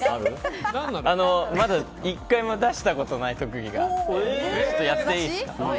１回も出したことがない特技があって、やっていいですか。